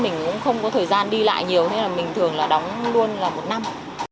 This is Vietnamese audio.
mình cũng không có thời gian đi lại nhiều hay là mình thường là đóng luôn là một năm